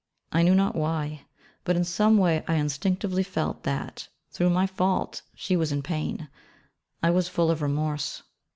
I knew not why, but in some way I instinctively felt that, through my fault, she was in pain: I was full of remorse.